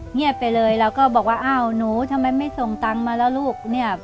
เงียบไปเลยเราก็บอกว่าอ้าวหนูทำไมไม่ส่งตังค์มาแล้วลูกเนี่ย